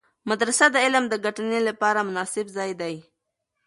مدرسه د علم د ګټنې لپاره مناسب ځای دی.